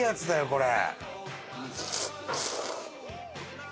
これ。